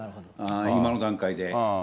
今の段階で。